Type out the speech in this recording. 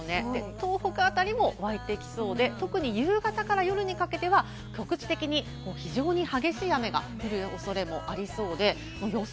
東北辺りもわいてきそうで、特に夕方から夜にかけては局地的に非常に激しい雨が降る恐れもありそうで、予想